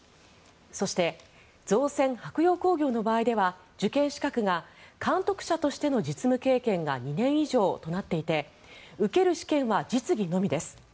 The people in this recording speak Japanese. そして造船・舶用工業の場合では受験資格が監督者としての実務経験が２年以上となっていて受ける試験は実技のみです。